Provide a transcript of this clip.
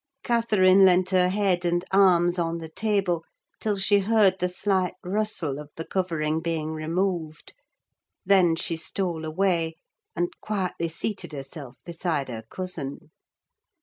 Catherine leaned her head and arms on the table, till she heard the slight rustle of the covering being removed; then she stole away, and quietly seated herself beside her cousin.